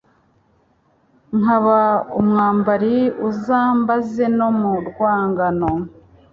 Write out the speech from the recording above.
Nkaba umwambari Uzambaze no mu rwangano,